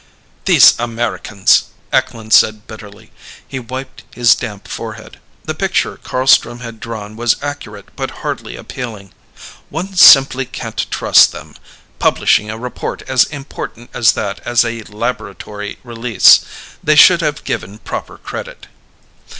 "These Americans!" Eklund said bitterly. He wiped his damp forehead. The picture Carlstrom had drawn was accurate but hardly appealing. "One simply can't trust them. Publishing a report as important as that as a laboratory release. They should have given proper credit."